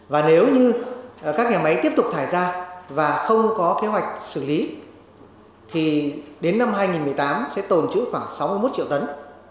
và nếu như các nhà máy tiếp tục thải ra và không có kế hoạch xử lý thì đến năm hai nghìn một mươi tám sẽ tồn chữ khoảng sáu mươi một triệu tấn